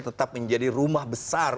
tetap menjadi rumah besar